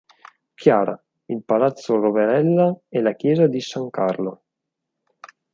Chiara, il palazzo Roverella e la chiesa di San Carlo.